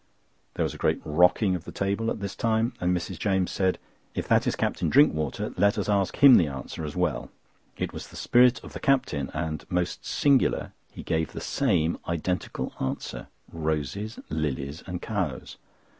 There was great rocking of the table at this time, and Mrs. James said: "If that is Captain Drinkwater, let us ask him the answer as well?" It was the spirit of the Captain, and, most singular, he gave the same identical answer: "ROSES, LILIES, AND COWS."